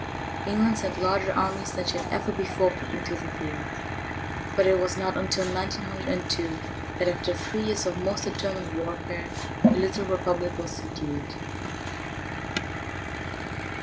England sent larger armies than she had ever before put into the field, but it was not until 1902 that, after three years of most determined warfare, the little republic was subdued.